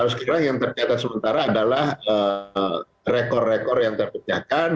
sekarang yang tercatat sementara adalah rekor rekor yang terpecahkan